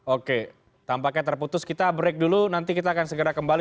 oke tampaknya terputus kita break dulu nanti kita akan segera kembali